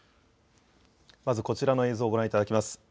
まず、こちらの映像をご覧いただきます。